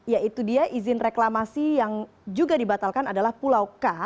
yaitu dia izin reklamasi yang juga dibatalkan adalah pulau k